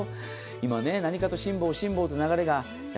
今、何かと辛抱辛抱という流れが。